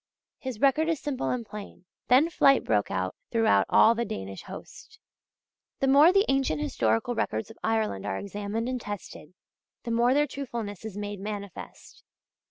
His record is simple and plain: "Then flight broke out throughout all the Danish host." The more the ancient historical records of Ireland are examined and tested, the more their truthfulness is made manifest.